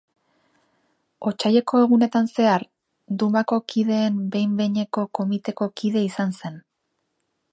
Otsaileko Egunetan zehar, Dumako Kideen Behin-Behineko Komiteko kide izan zen.